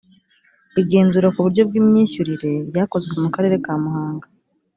igenzura ku buryo bw’imyishyurire ryakozwe mu karere ka muhanga